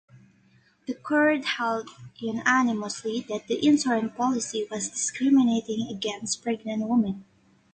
The Court held unanimously that the insurance policy was discriminating against pregnant women.